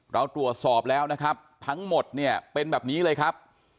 เราตรวจสอบแล้วนะครับทั้งหมดเนี่ยเป็นแบบนี้เลยครับ